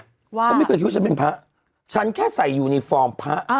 ฉันไม่เคยคิดว่าฉันเป็นพระฉันแค่ใส่ยูนิฟอร์มพระ